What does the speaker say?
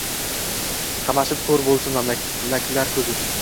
qamashib ko’r bo’lsin malaklar ko’zi.